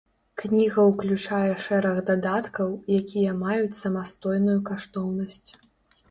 Кніга ўключае шэраг дадаткаў, якія маюць самастойную каштоўнасць.